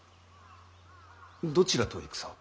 どちらと戦を？